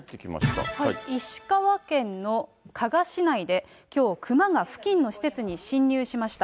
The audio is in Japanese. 石川県の加賀市内で、きょう、クマが付近の施設に侵入しました。